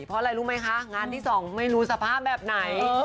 เพราะอะไรรู้ไหมคะงานที่สองไม่รู้สภาพแบบไหน